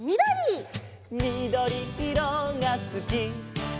「みどりいろがすき」